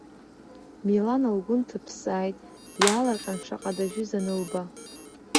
Милана лгәы нҭыԥсааит, иаалырҟьан шаҟа дажәыз анылба.